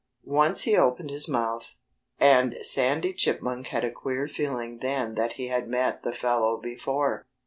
Once he opened his mouth. And Sandy Chipmunk had a queer feeling then that he had met the fellow before.